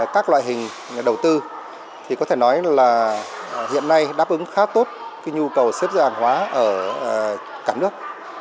các loại hình nhà đầu tư thì có thể nói là hiện nay đáp ứng khá tốt nhu cầu xếp hàng hóa ở cả nước